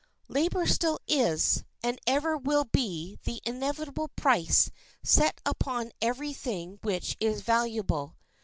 Labor still is, and ever will be, the inevitable price set upon every thing which is valuable.